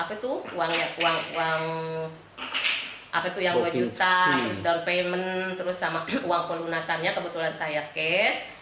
apa itu uang yang rp dua juta terus down payment terus sama uang pelunasannya kebetulan saya kes